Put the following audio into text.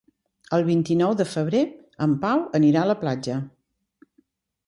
El vint-i-nou de febrer en Pau anirà a la platja.